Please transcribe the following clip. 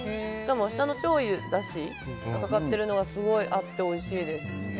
下のしょうゆだしがかかっているのがすごい合っておいしいです。